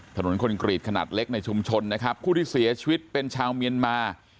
ถนนคอนกรีตขนาดเล็กในชุมชนนะครับผู้ที่เสียชีวิตเป็นชาวเมียนมา